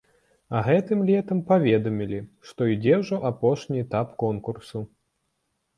А гэтым летам паведамілі, што ідзе ўжо апошні этап конкурсу.